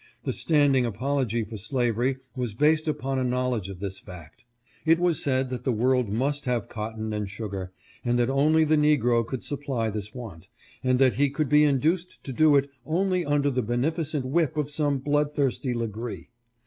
The standing apology for slavery was based upon a knowledge of this fact. It was said that the world must have cotton and sugar, and that only the negro could supply this want ; and that he could be induced to do it only under the ' beneficent whip ' of some bloodthirsty Legree.